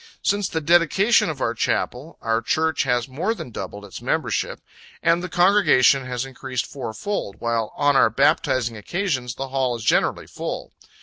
Since the dedication of our Chapel, our Church has more than doubled its membership, and the congregation has increased four fold; while on our baptizing occasions the hall is generally full.